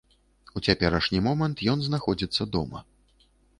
У цяперашні момант ён знаходзіцца дома.